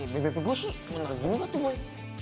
bebeb gue sih bener juga tuh boy